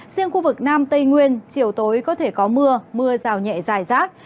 riêng khu vực nam tây nguyên chiều tối có thể có mưa mưa rào nhẹ dài rác